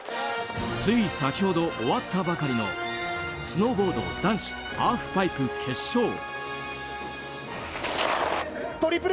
つい先ほど終わったばかりのスノーボード男子ハーフパイプ決勝。